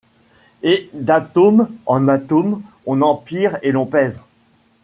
Et d’atome en atome on empire, et l’on pèse